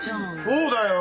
そうだよ。